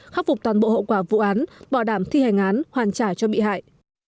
khắc phục toàn bộ hậu quả vụ án bảo đảm thi hành án hoàn trả cho bị hại